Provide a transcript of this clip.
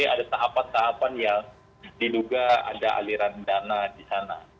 ada tahapan tahapan yang diduga ada aliran dana di sana